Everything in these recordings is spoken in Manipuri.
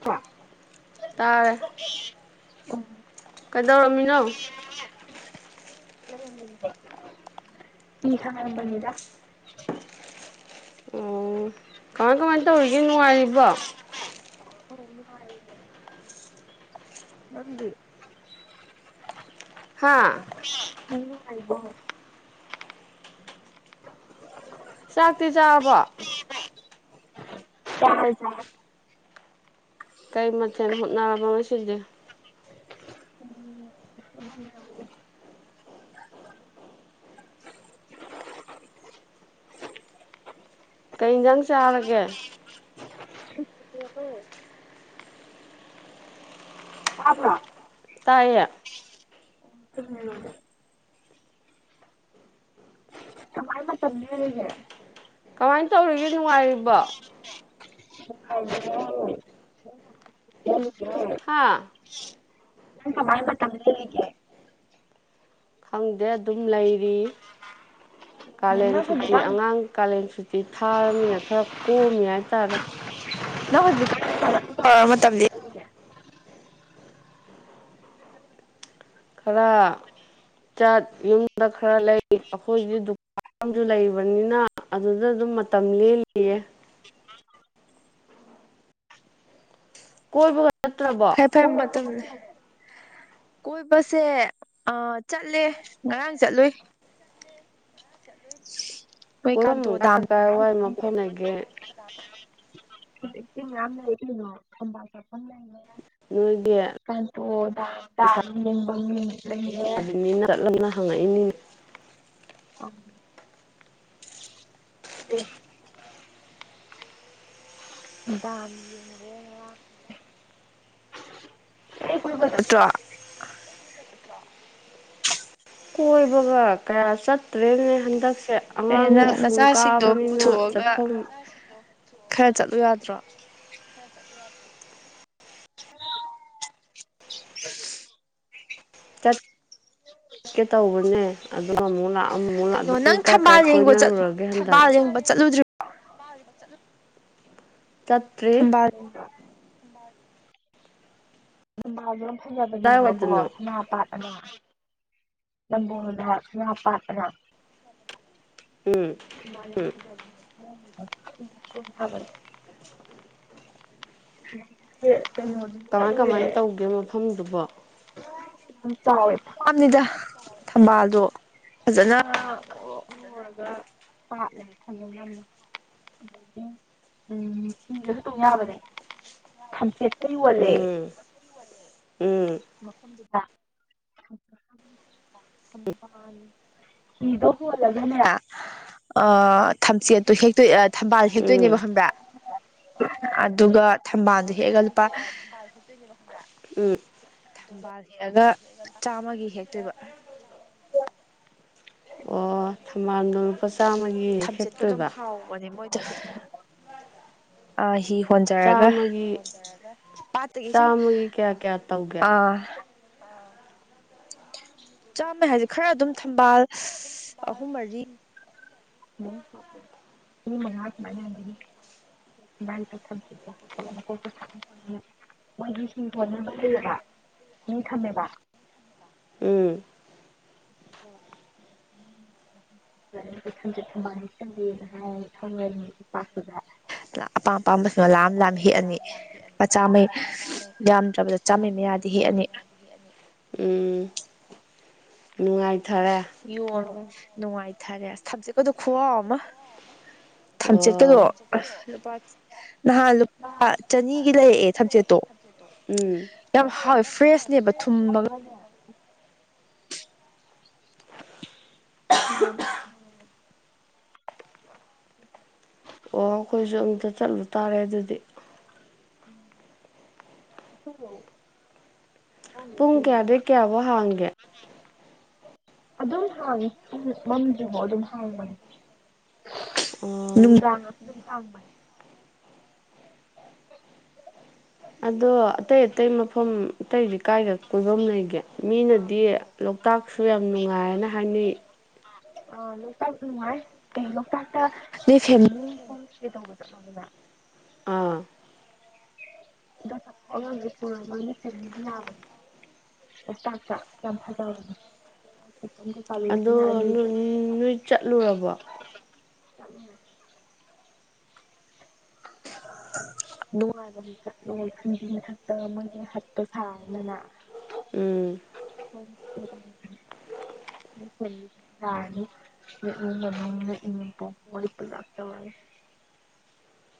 ꯑ ꯎꯝ ꯀꯗꯧꯔꯃꯤꯅꯣ ꯃꯤ ꯁꯉ ꯌꯦꯝꯟꯔ ꯑꯣ ꯀꯃꯥꯏ ꯀꯃꯥꯏ ꯇꯧꯔꯤꯒꯦ ꯅꯨꯡꯉꯥꯏꯔꯤꯕꯣ ꯍ ꯋꯥꯏ ꯉꯁꯤꯗꯤ [unintelligible] ꯆꯥꯛꯇꯤ ꯆꯥꯔꯕꯣ ꯆꯥꯔꯦ ꯀꯩ ꯃꯊꯦꯜ ꯍꯨꯠꯅꯔꯕ ꯉꯁꯤꯗꯦ ꯎꯝ [unintelligible] [unintelligible] ꯀꯩ ꯌꯦꯟꯖꯥꯡ ꯆꯥꯔꯒꯦ [unintelligible] ꯍꯥ ꯍ [unintelligible] ꯇꯥꯏꯌꯦ ꯑꯣ ꯀꯃꯦꯗ [unintelligible] ꯀꯥꯏ ꯃꯥ ꯇꯝꯕꯤꯔꯤꯒꯦ ꯀꯃꯥꯏꯅ ꯇꯧꯔꯤꯒꯦ ꯅꯨꯡꯉꯥꯏꯔꯤꯕꯣ [unintelligible] ꯍꯥꯥ ꯅꯪ ꯀꯃꯥꯏ ꯃꯇꯝꯟ ꯂꯦꯜꯂꯤꯒꯦ ꯈꯪꯗꯦ ꯑꯗꯨꯝ ꯂꯩꯔꯤ ꯎ ꯀꯥꯂꯦꯟ ꯁꯨꯇꯤ ꯑꯉꯥꯡ ꯀꯥꯂꯦꯟ ꯁꯨꯇꯤ ꯊꯥꯔꯕꯃꯤꯅ ꯈꯔ ꯀꯣꯝꯃꯤ ꯍꯥꯏꯇꯥꯔꯦ ꯃ ꯃꯇꯝꯗꯤ ꯈꯔ ꯆꯠ ꯌꯨꯝꯗ ꯈꯔ ꯂꯩ ꯑꯩꯈꯣꯏꯒꯤ ꯗꯨꯀꯥꯟ ꯃꯁꯨ ꯂꯩꯕꯅꯤꯅ ꯑꯗꯨꯗ ꯑꯗꯨꯝ ꯃꯇꯝ ꯂꯦꯜꯂꯤꯌꯦ ꯎꯝ ꯀꯣꯏꯕꯒ ꯐꯔꯦ ꯐꯔꯦ ꯃꯇꯝꯅꯦ ꯀꯣꯏꯕꯁꯦ ꯑ ꯆꯠꯂꯦ ꯉꯔꯥꯡ ꯆꯠꯂꯨꯏ ꯃꯣꯏ ꯀꯥꯟꯇꯨ ꯗꯥꯝ [unintelligible] ꯌꯥꯝ ꯏꯂꯤꯅꯣ ꯊꯝꯕ ꯆ [unintelligible] ꯀ ꯇꯗ ꯇ [unintelligible] ꯅꯤꯅ ꯆꯠꯂꯝꯅ ꯍꯪꯉꯛꯏꯅꯤ ꯑ ꯑꯗꯨꯗ ꯇꯥ [unintelligible] ꯀ ꯆꯠꯇ꯭ꯔꯣ ꯀꯣꯏꯕꯒ ꯀꯌꯥ ꯆꯠꯇ꯭ꯔꯦꯕꯅꯦ ꯍꯟꯗꯛꯁ ꯑꯉꯥꯡ ꯁꯨꯡ ꯀꯥꯕꯅꯤꯅ ꯆꯠꯐꯝ ꯈꯔ ꯆꯠꯂꯨ ꯌꯥꯗ꯭ꯔꯣ [inaudible] ꯆꯠꯀꯦ ꯇꯧꯕꯅꯦ ꯑꯗꯨꯒ ꯑꯃꯨꯛ ꯂꯥꯛꯑꯣ ꯑꯃꯃꯨꯛ ꯂꯥꯛ ꯑꯗꯨ ꯏ ꯀꯥꯏ ꯀꯥꯏ ꯀꯣꯏꯅꯔꯨꯔꯒꯦ ꯍꯟꯗꯛ ꯊꯝꯕꯥꯜ ꯁꯅꯥꯁꯨ ꯌꯥꯝ ꯐꯖꯕꯅꯦꯕꯀꯣ ꯁꯅꯥꯥ ꯄꯥꯠ ꯑ ꯅꯝꯕꯣꯟ ꯉꯄꯥꯄꯅ ꯥꯏ ꯌꯥꯝꯁꯨ ꯆ [unintelligible] ꯎ ꯍꯥꯏꯕꯔ [inaudible] ꯀ ꯀꯃꯥꯏꯅ ꯇꯧꯒꯦ ꯃꯐꯝꯗꯨꯕꯣ ꯌꯥꯝ ꯆꯥꯎꯋꯦ ꯐꯥꯝꯅꯤꯗ ꯊꯝꯕꯥꯜꯗꯣ ꯐꯖꯅ ꯊꯔꯒ ꯄꯠꯂ ꯊ ꯎꯝ ꯇꯨꯡ ꯌꯥꯕꯅꯦ ꯦꯇ ꯋꯥꯂꯦ ꯗꯨꯗ ꯏꯗꯣ ꯍꯣꯜꯂꯒꯅꯦ ꯑ ꯊꯝꯆꯦꯠꯇꯨ ꯍꯦꯛꯇ ꯊꯝꯕꯥꯜ ꯍꯦꯛꯇꯣꯏꯅꯦꯕ ꯈꯪꯕ꯭ꯔꯥ ꯑꯗꯨꯒ ꯊꯝꯕꯥꯜꯗꯣ ꯍꯦꯛꯑꯒ ꯊꯝꯕꯥꯜꯠꯇꯅꯦꯕꯣ ꯍꯕ ꯎꯝ ꯊꯝꯕꯥꯜ ꯍꯦꯛꯑꯒ ꯆꯥꯝꯃꯒꯤ ꯍꯦꯛꯇꯣꯏꯕ ꯊꯝꯕꯥꯜꯗ ꯂꯨꯄꯥ ꯆꯥꯃꯒꯤ ꯍꯦꯛꯇꯣꯏꯕ ꯑꯍ ꯍꯣꯟꯖꯔꯒ ꯄꯥꯠꯇꯒꯤ ꯁꯨꯝ ꯑꯥ ꯆꯥꯝꯃ ꯍꯥꯏꯁꯦ ꯈꯔ ꯑꯗꯨꯝ ꯊꯝꯕꯥꯜ ꯑꯍꯨꯝ ꯃꯔꯤ ꯎ ꯍ ꯃ ꯍꯥ ꯃꯅꯤꯔꯤ ꯒꯤꯁꯤꯡ ꯂꯩꯕ ꯃꯊꯝꯕ ꯎꯝ ꯊꯖ ꯊꯅꯤ ꯁꯕꯤ ꯊ ꯗ ꯑꯄꯥꯝ ꯑꯄꯥꯝꯝꯕꯕꯁꯤꯅ ꯂꯥꯝ ꯂꯥꯝ ꯍꯦꯛꯑꯅꯤ ꯄꯥ ꯆꯥꯝꯃꯩ ꯌꯥꯝꯗ꯭ꯔꯕꯗ ꯆꯥꯝꯃꯩ ꯃꯌꯥꯗꯤ ꯍꯦꯛꯑꯅꯤ ꯅꯨꯡꯉꯥꯏꯊꯔꯦ ꯅꯨꯡꯉꯥꯏꯊꯔꯦ ꯑꯁ ꯊꯝꯖꯤꯦꯀꯗꯣ ꯈꯨꯍꯑꯣ ꯑꯃ ꯊꯝꯆꯦꯠꯀꯗꯣ ꯂꯨꯄꯥ ꯅꯍꯥꯟ ꯅꯍꯥꯟ ꯂꯨꯄꯥ ꯆꯅꯤꯒꯤ ꯂꯩꯔꯛꯑꯦ ꯊꯕꯕꯦꯛꯇꯣ ꯌꯥꯝ ꯍꯥꯎꯋꯦ ꯐ꯭ꯔꯦꯁꯅꯦꯕ ꯊꯨꯝꯃꯒꯅꯦ ꯌꯥꯝ ꯎꯝ ꯑꯣ ꯑꯩꯈꯣꯏꯁꯨ ꯑꯝꯨꯇ ꯆꯠꯂꯨ ꯇꯥꯔꯦ ꯑꯗꯨꯗꯤ ꯎꯝꯁꯨꯎ ꯄꯨꯡ ꯀꯌꯥꯗ ꯀꯌꯥ ꯋꯥꯣ ꯍꯥꯡꯒꯦ ꯑꯗꯨꯝ ꯍꯥꯡꯉꯤ ꯃꯝꯗ꯭ꯕꯣ ꯑꯗꯨꯝ ꯍꯥꯡꯕꯅꯤ ꯅꯨꯝꯗꯥꯥꯡꯉ ꯅꯨꯅꯤ ꯑꯗꯣ ꯑꯇꯩ ꯑꯇꯩ ꯃꯐꯝ ꯑꯇꯩꯗꯤ ꯀꯥꯏꯗ ꯀꯣꯏꯐꯝ ꯂꯩꯒꯦ ꯃꯤꯅꯗꯤ ꯂꯣꯛꯇꯥꯛꯁꯨ ꯌꯥꯝ ꯅꯨꯡꯉꯥꯏꯑꯅ ꯍꯥꯏꯅꯩ ꯑ ꯂꯣꯛꯇꯥꯛꯁꯨ ꯅꯨꯡꯉꯥꯏ ꯑꯦ ꯂꯣꯛꯇꯥꯛꯇ ꯅꯁꯦ ꯀꯩ ꯇꯧꯕ ꯆꯠꯂ ꯑꯥ ꯗ ꯐ ꯐꯃꯤ ꯌꯥꯕꯅꯤ ꯣꯛꯇꯥꯛ ꯆꯥꯛ ꯌꯥꯝ ꯐꯖꯕꯅꯦ ꯑꯗꯣ ꯅꯣꯏ ꯆꯠꯂꯨꯔꯕꯣ ꯆꯃꯃꯦ [unintelligible] ꯅꯣꯡꯉꯥꯗꯅꯤ ꯅ ꯈꯟꯒꯤ ꯃꯊꯛꯇ ꯑꯃꯒꯤ ꯍꯛꯇꯣ ꯁꯥꯔꯗꯅ ꯎꯝ ꯎꯝ ꯌꯥꯅꯤ ꯏ ꯆꯥꯛꯇ [unintelligible]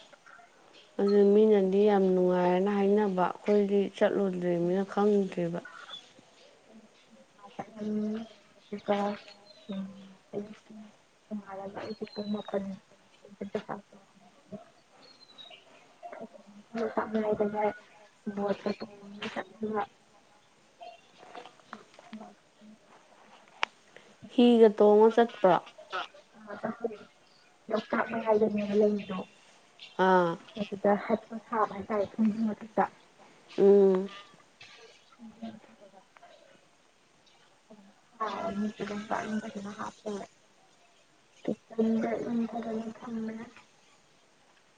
ꯑ ꯑꯩꯈꯣꯏꯗꯤ ꯆꯠꯂꯨꯗ꯭ꯔꯤꯕꯅꯤꯅ ꯈꯪꯗꯦꯕ ꯎꯝ ꯎꯔ ꯇꯄ ꯠꯇ ꯄ ꯦ [unintelligible] ꯍꯤꯒ ꯇꯣꯡꯉ ꯆꯠꯄ꯭ꯔꯥ ꯆꯈ ꯀꯥꯞꯅꯉꯥꯏꯗꯅꯦꯅ ꯂꯩꯔꯤꯗꯣ ꯑꯗꯨꯗ ꯁꯥꯕ ꯍꯥꯏꯇꯥꯔꯦ ꯊꯨꯝꯒꯤ ꯃꯊꯛꯇ ꯎꯝ ꯊ ꯃꯤꯁꯨꯗꯝ ꯀꯥꯅ ꯍꯥꯄ ꯗ ꯏꯔ ꯐꯃꯦ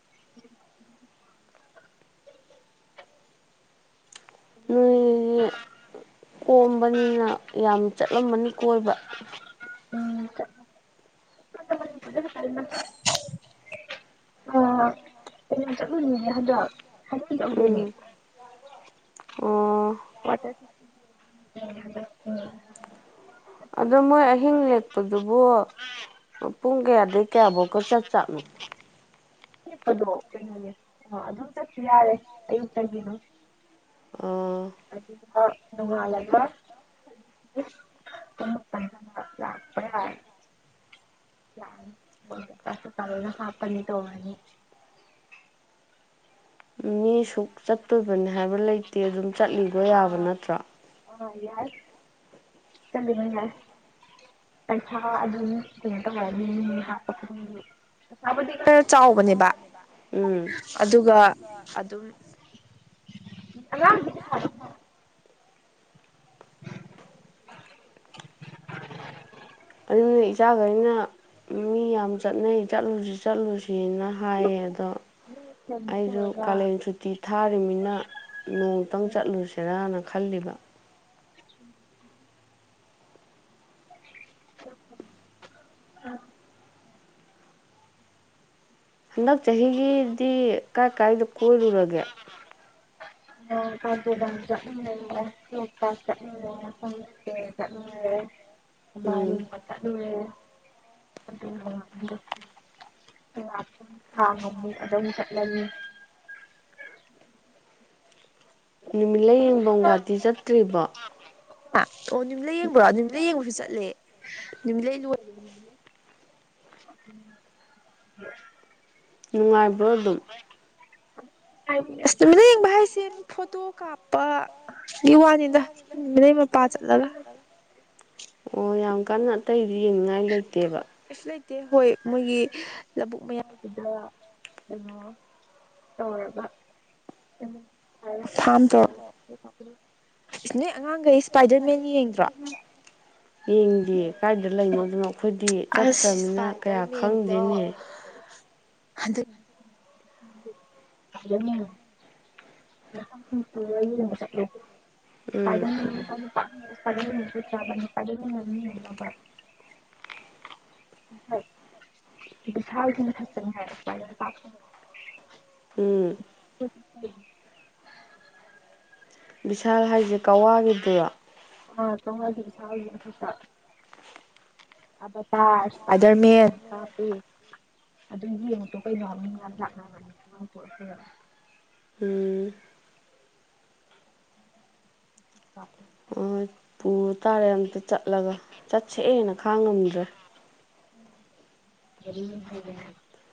[unintelligible] ꯏ ꯎꯝ ꯀ ꯑ ꯀꯩꯅ ꯆꯠꯂꯨꯅꯤꯅꯦ ꯍꯟꯗꯛ ꯍꯥꯏꯗꯤ ꯇꯧꯗꯣꯏꯔꯤꯅꯦ ꯋꯥ ꯑꯗꯣ ꯃꯣꯏ ꯑꯍꯤꯡ ꯂꯦꯛꯄꯗꯨꯕꯨ ꯄꯨꯡ ꯀꯌꯥꯗꯤꯀꯦ ꯑꯕꯣ ꯀ ꯆꯥꯆꯥꯛ ꯃ ꯄꯗꯣ ꯀꯩꯅꯣꯅꯦ ꯑ ꯑꯗꯨꯝ ꯆꯠꯁꯨ ꯌꯥꯔꯦ ꯑꯌꯨꯛꯇꯪꯒꯤꯅ ꯑ ꯑꯗꯨ ꯅꯨꯡꯉꯂ ꯄ ꯂ ꯂꯥꯛꯄ ꯌꯥ ꯇꯁ ꯆꯅ ꯍꯥꯄꯅꯤ ꯇꯧꯔꯅꯤ ꯃꯤ ꯑ ꯁꯨꯛ ꯆꯠꯇꯣꯏꯕꯅꯤ ꯍꯥꯏꯕ ꯂꯩꯇꯦ ꯑꯗꯨꯝ ꯆꯠꯂꯤꯕꯣ ꯌꯥꯕ ꯅꯠꯇ꯭ꯔꯥ ꯑ ꯌꯥꯔ ꯆꯕꯤ ꯌꯥꯔ ꯄꯩꯁ ꯑꯗꯨꯇ ꯍꯥꯄ ꯑꯁꯥꯕꯨꯗꯤ ꯈꯔ ꯆꯥꯎꯕꯅꯦꯕ ꯑꯗꯨꯒ ꯑꯗꯨꯝ ꯑꯗꯨꯅ ꯏꯆꯥꯈꯩꯅ ꯃꯤ ꯌꯥꯝ ꯆꯠꯅꯩ ꯆꯠꯂꯨꯁꯤ ꯆꯠꯂꯨꯁꯤ ꯎꯆꯅ ꯍꯥꯏꯌꯦ ꯑꯗꯣ ꯑꯩꯁꯨ ꯀꯥꯂꯦꯟ ꯁꯨꯇꯤ ꯊꯥꯔꯤꯕꯅꯤꯅ ꯅꯣꯡꯇꯪ ꯆꯠꯂꯨꯁꯤꯔꯥꯅ ꯈꯜꯂꯤꯕ ꯎ ꯎꯝ ꯍꯟꯗꯛ ꯆꯍꯤꯒꯤꯗꯤ ꯀꯥꯏ ꯀꯥꯏꯗ ꯀꯣꯏꯔꯨꯔꯒꯦ ꯎ ꯀ ꯎ ꯃꯥꯜꯗꯨꯋꯦ ꯑꯗꯨ ꯂꯥꯛ ꯍꯥꯡꯉꯝꯃꯨ ꯑꯗꯨꯝ ꯆꯠꯂꯅꯤ ꯅꯨꯃꯤꯠꯂ ꯌꯦꯡꯐꯝ ꯒꯥꯥꯇꯤ ꯆꯠꯇ꯭ꯔꯤꯕꯣ ꯑꯣ ꯃꯤꯠꯂ ꯌꯦꯡꯕ꯭ꯔꯣ ꯌꯃꯤꯂ ꯌꯦꯡꯕꯁꯨ ꯆꯠꯂꯦ ꯂꯩ ꯂ ꯅꯨꯡꯉꯥꯏꯕ꯭ꯔꯣ ꯑꯗꯨꯝ ꯚꯥꯏꯁꯦ ꯐꯣꯇꯣ ꯀꯥꯞꯄ ꯏ ꯋꯥꯅꯤꯗ ꯅꯃ ꯄ ꯆꯂꯒ ꯑꯣ ꯌꯥꯝꯉ ꯀꯥꯅꯠꯇ ꯏꯗꯤ ꯏ ꯂꯩ ꯀꯩꯁꯨ ꯂꯩꯇꯦ ꯍꯣꯏ ꯃꯣꯏꯒꯤ ꯂꯧꯕꯨꯛ ꯃꯌꯥꯏꯗꯨꯗ ꯀꯩꯅꯣ ꯇꯧꯔꯒ ꯊꯝ ꯇꯣꯅꯦ ꯑꯉꯥꯡꯈꯩ ꯏꯁꯥꯏꯗꯔ ꯃꯦꯟ ꯌꯦꯡꯗ꯭ꯔꯥ ꯑꯁ ꯏꯁꯄꯥꯏꯗꯔ ꯃꯦꯟꯗꯣ ꯑ ꯆꯠ ꯄꯁꯨ ꯆꯕ ꯄꯅꯤꯝꯕꯕꯏ ꯁꯥꯜ ꯊꯅ ꯊ ꯍꯥꯏꯥꯛ ꯎꯝ [unintelligible] ꯕꯤꯚꯤꯁꯥꯜ ꯍꯥꯏꯁꯦ ꯀꯋꯥꯒꯤꯗꯨꯔꯣ ꯇꯣꯡꯉ ꯑꯗꯨ ꯁꯥꯗꯅ ꯈꯠꯇ ꯑꯕꯇꯥꯔ ꯑꯥꯗꯔꯃꯦ ꯀ ꯄꯤ ꯑꯗꯨꯗ ꯌꯦ ꯎ ꯇ ꯈ ꯌꯃꯤꯇ ꯎꯝ ꯄ ꯎ ꯇꯥꯔꯦ ꯑꯝꯇ ꯆꯠꯂꯒ ꯆꯠꯁꯦꯑꯦꯅ ꯈꯥꯡꯉꯝꯗ꯭ꯔꯦ ꯑꯦ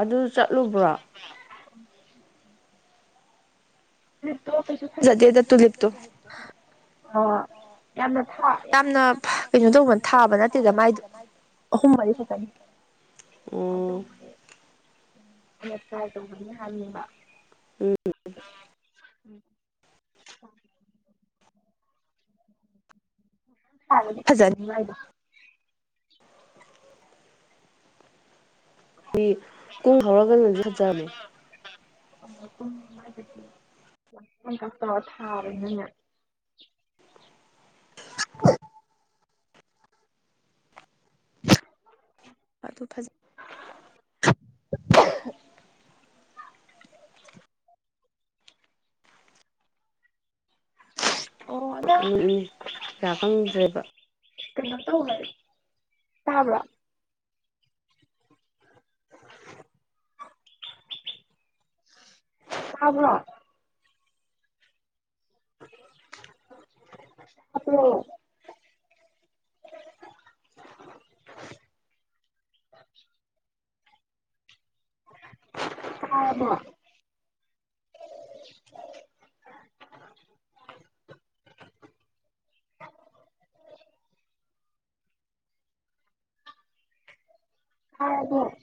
ꯑꯗꯨ ꯆꯠꯂꯨꯕ꯭ꯔꯥ ꯀꯁ ꯇꯂꯠꯇ ꯑ ꯌꯥꯝ ꯌꯥꯝꯅ ꯀꯩꯅꯣ ꯇꯧꯕꯅ ꯊꯥꯕ ꯅꯠꯇꯦꯗ ꯃꯥꯏꯗꯣ ꯑꯍꯨꯝ ꯃꯔꯤ ꯈꯛꯇꯅꯤ ꯑꯠꯇ ꯑꯗꯨ ꯃ ꯑꯕ ꯎꯝ ꯎ ꯐꯖ ꯑꯩ ꯀꯨꯡ ꯍꯧꯔꯒ ꯅꯪꯁꯨ ꯐꯠꯆꯕꯅꯦ ꯀꯁ ꯊꯥꯔꯅꯤ [inaudible] [unintelligible] ꯑꯗꯨ ꯑꯗꯨ ꯐꯖ [inaudible] [unintelligible] ꯅꯣꯛꯏꯅꯦ ꯀꯌꯥ ꯀꯪꯗ꯭ꯔꯦꯕ ꯇꯕꯔꯣ ꯇꯕ꯭ꯔ ꯇꯕꯑ꯭ꯔꯣ [inaudible] [unintelligible] ꯑꯕ [inaudible] [unintelligible] [inaudible] [unintelligible] [inaudible] [unintelligible] ꯍ ꯍꯣ [inaudible] [unintelligible]